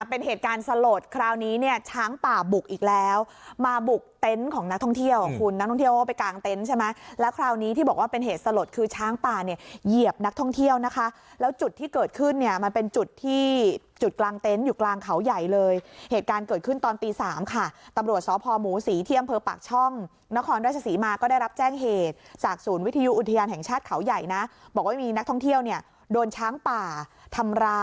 เป็นเหตุการณ์สลดคราวนี้เนี่ยช้างป่าบุกอีกแล้วมาบุกเต็นต์ของนักท่องเที่ยวคุณนักท่องเที่ยวว่าไปกลางเต็นต์ใช่ไหมแล้วคราวนี้ที่บอกว่าเป็นเหตุสลดคือช้างป่าเนี่ยเหยียบนักท่องเที่ยวนะคะแล้วจุดที่เกิดขึ้นเนี่ยมันเป็นจุดที่จุดกลางเต็นต์อยู่กลางเขาใหญ่เลยเหตุการณ์เกิดขึ้นตอนตีสามค่ะ